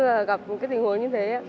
bởi vì em chưa gặp một cái tình huống như thế